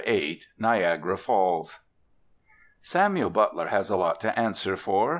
VIII NIAGARA FALLS Samuel Butler has a lot to answer for.